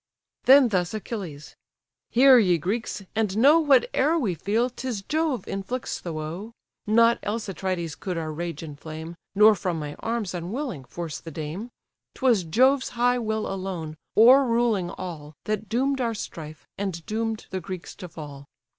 Then thus Achilles: "Hear, ye Greeks! and know Whate'er we feel, 'tis Jove inflicts the woe; Not else Atrides could our rage inflame, Nor from my arms, unwilling, force the dame. 'Twas Jove's high will alone, o'erruling all, That doom'd our strife, and doom'd the Greeks to fall.